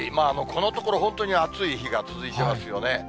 このところ、本当に暑い日が続いてますよね。